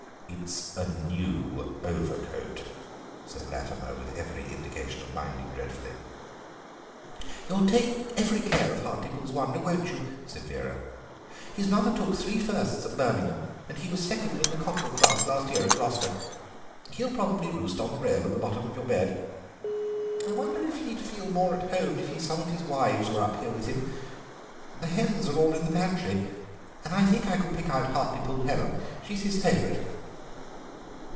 "It's a new overcoat," said Latimer, with every indication of minding dreadfully. "You'll take every care of Hartlepool's Wonder, won't you?" said Vera. "His mother took three firsts at Birmingham, and he was second in the cockerel class last year at Gloucester. He'll probably roost on the rail at the bottom of your bed. I wonder if he'd feel more at home if some of his wives were up here with him? The hens are all in the pantry, and I think I could pick out Hartlepool Helen; she's his favourite."